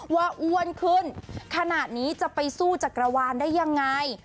ว่าอ้วนขึ้นขนาดนี้จะไปสู้จักรวาลได้ยังไง